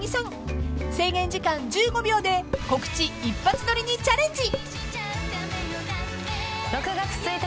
［制限時間１５秒で告知一発撮りにチャレンジ］